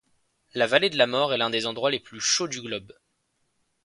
La Vallée de la Mort est l'un des endroits les plus chauds du globe.